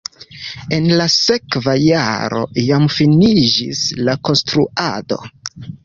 En la sekva jaro jam finiĝis la konstruado.